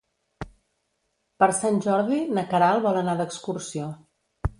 Per Sant Jordi na Queralt vol anar d'excursió.